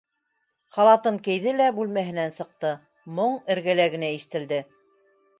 Халатын кейҙе лә бүлмәһенән сыҡты: моң эргәлә генә ишетелде...